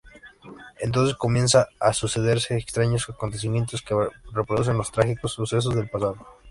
Entonces comienzan a sucederse extraños acontecimientos que reproducen los trágicos sucesos del pasado.